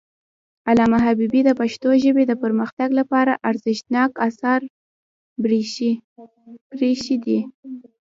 علامه حبيبي د پښتو ژبې د پرمختګ لپاره ارزښتناک آثار پریښي دي.